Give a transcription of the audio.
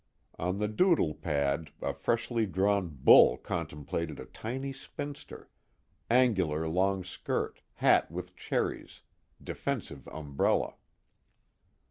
On the doodle pad a freshly drawn bull contemplated a tiny spinster angular long skirt, hat with cherries, defensive umbrella.